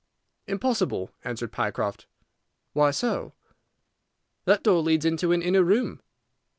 "Impossible," answered Pycroft. "Why so?" "That door leads into an inner room."